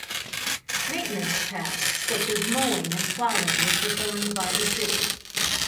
Maintenance tasks such as mowing and plowing were performed by the city.